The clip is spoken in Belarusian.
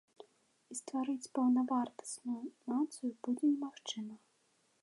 І стварыць паўнавартасную нацыю будзе немагчыма.